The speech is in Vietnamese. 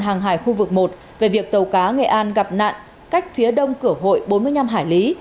hàng hải khu vực một về việc tàu cá nghệ an gặp nạn cách phía đông cửa hội bốn mươi năm hải lý